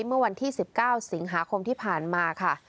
เมื่อวันที่๑๙สิงหาคมที่ผ่านมาค่ะ